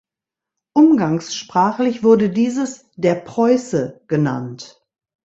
Umgangssprachlich wurde dieses „Der Preuße“ genannt.